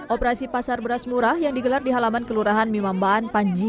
operasi pasar beras murah yang digelar di halaman kelurahan mimambaan panji